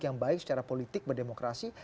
yang baik secara politik berdemokrasi